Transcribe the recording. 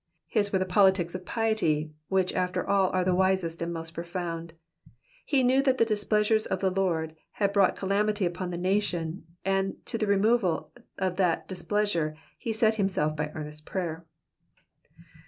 His were the politics of piety, which after all are the wisest and most profound. He knew that the displeasure of the Lord had brought calamity upon the nation, and to the removal of that displeasure he set himself by earnest prayer.